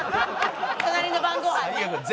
『隣の晩ごはん』ね。